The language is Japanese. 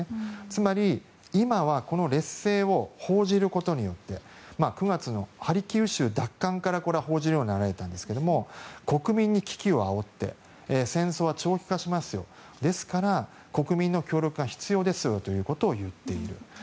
つまり、今はこの劣勢を報じることによって９月のハルキウ州奪還からこれは報じるようになったんですが国民に危機をあおって戦争は長期化しますよですから、国民の協力が必要ですよということを言っている。